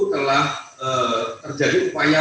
telah terjadi upaya